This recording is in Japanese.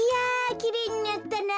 きれいになったな。